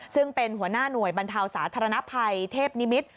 ซึ่งเป็นหัวหน้าหน่วยบรรเทาสาธารณภัยเทพนิมิตร